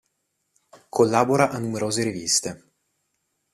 Collabora a numerose riviste.